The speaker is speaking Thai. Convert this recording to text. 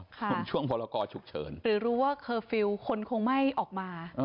ช่วงพลกรฉุกเฉินหรือรู้ว่าเคอร์ฟิลล์คนคงไม่ออกมา